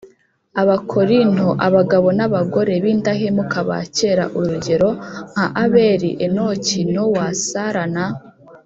Abakorinto Abagabo n abagore b indahemuka ba kera urugero nka Abeli Enoki Nowa Sara na